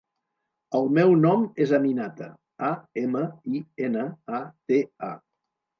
El meu nom és Aminata: a, ema, i, ena, a, te, a.